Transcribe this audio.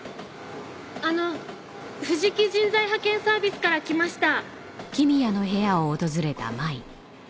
あの藤木人材派遣サービスから来ました。